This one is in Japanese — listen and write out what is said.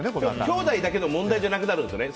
きょうだいだけの問題じゃなくなるんですよね